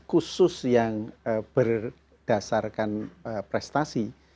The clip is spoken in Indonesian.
khusus yang berdasarkan prestasi